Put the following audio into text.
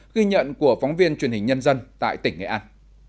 ghi nhận của phóng viên truyền hình nhân dân tại tỉnh nghệ an